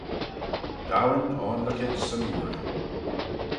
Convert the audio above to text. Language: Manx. Dowin oanluckit 'syn ooir.